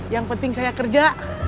yang penting saya kerja